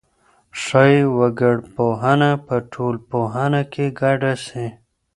ښايي وګړپوهنه په ټولنپوهنه کي ګډه سي.